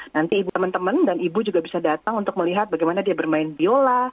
nanti teman teman dan ibu juga bisa datang untuk melihat bagaimana dia bermain biola